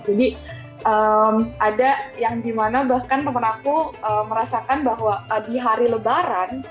jadi ada yang dimana bahkan temen aku merasakan bahwa di hari lebaran